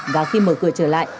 và khi mở cửa trở lại